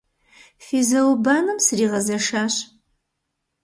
Фи зауэ-банэм сригъэзэшащ.